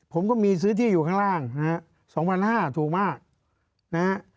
ผมก็มีซื้อที่อยู่ข้างล่างนะฮะ๒๕๐๐ถูกมากนะฮะ